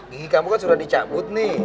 gigi kamu kan sudah dicabut nih